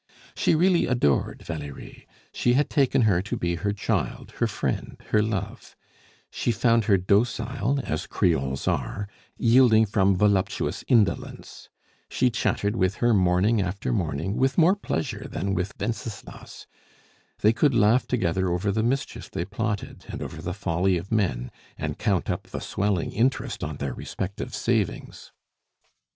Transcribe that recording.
She really adored Valerie; she had taken her to be her child, her friend, her love; she found her docile, as Creoles are, yielding from voluptuous indolence; she chattered with her morning after morning with more pleasure than with Wenceslas; they could laugh together over the mischief they plotted, and over the folly of men, and count up the swelling interest on their respective savings.